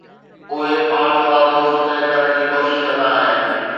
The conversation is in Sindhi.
اهي پاڻمرادو فتح ڪرڻ جي ڪوشش ڪندا آهن